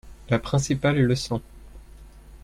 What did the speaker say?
La principale leçon.